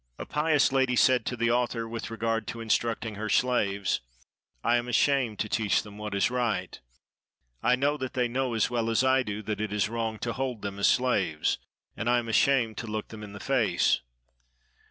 A pious lady said to the author, with regard to instructing her slaves, "I am ashamed to teach them what is right; I know that they know as well as I do that it is wrong to hold them as slaves, and I am ashamed to look them in the face."